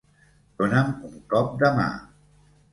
Dona'm un cop de mà